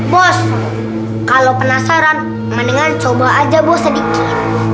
bos kalau penasaran mendingan coba aja bos sedikit